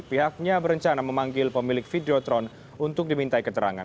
pihaknya berencana memanggil pemilik video tron untuk dimintai keterangan